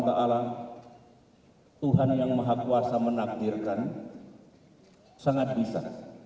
tuhan yang maha kuasa menakdirkan sangat bisa